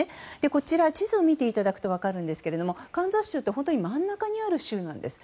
こちら、地図を見ていただくと分かるんですけれどもカンザス州って真ん中にある周辺なんです。